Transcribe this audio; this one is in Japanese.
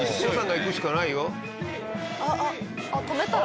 あっ止めたら。